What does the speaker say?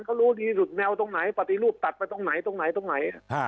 เขารู้ดีที่สุดแนวตรงไหนปฏิรูปตัดไปตรงไหนตรงไหนตรงไหน